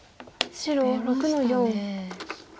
白６の四。